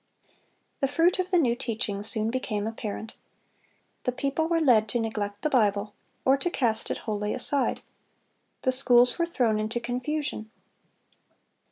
(266) The fruit of the new teaching soon became apparent. The people were led to neglect the Bible, or to cast it wholly aside. The schools were thrown into confusion.